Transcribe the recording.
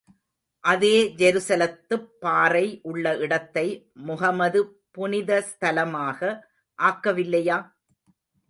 அதே ஜெருசலத்துப் பாறை உள்ள இடத்தை முகமது புனித ஸ்தலமாக ஆக்கவில்லையா?